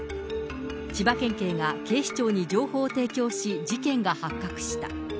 千葉県警が警視庁に情報を提供し、事件が発覚した。